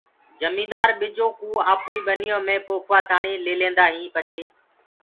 جميندآر ٻجو ڪو آپوئي ٻنيو مي پوکوآ تآڻي ليليندآ هين پڇي